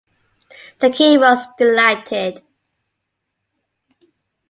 The king was delighted.